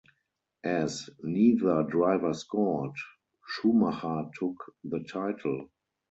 As neither driver scored, Schumacher took the title.